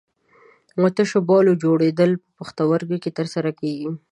د تشو بولو جوړېدل په پښتورګو کې تر سره کېږي.